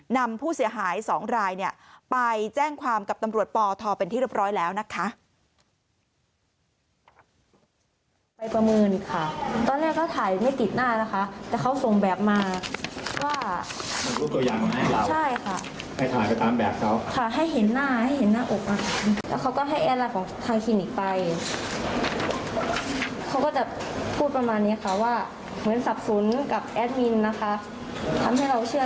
นำผู้เสียหาย๒รายเนี่ยไปแจ้งความกับตำรวจปทเป็นที่เรียบร้อยแล้วนะคะ